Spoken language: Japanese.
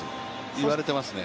言われてますね。